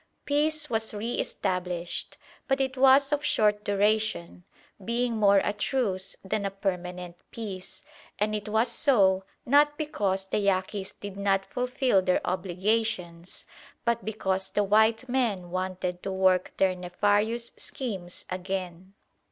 Peace was re established; but it was of short duration, being more a truce than a permanent peace, and it was so not because the Yaquis did not fulfil their obligations, but because the white men wanted to work their nefarious schemes again.